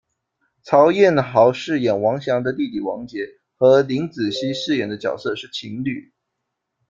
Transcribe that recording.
曹晏豪饰演王翔的弟弟王杰，和林子熙饰演的角色是情侣。